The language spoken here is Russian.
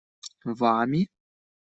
Вами?